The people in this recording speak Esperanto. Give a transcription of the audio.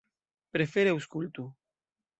Prefere aŭskultu!